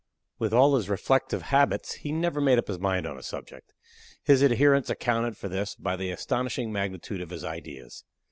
With all his reflective habits, he never made up his mind on a subject. His adherents accounted for this by the astonishing magnitude of his ideas.